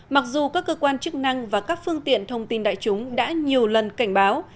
mặc dù các cơ quan chức năng và các phương tiện thông tin đại chúng đã nhiều lần cảnh báo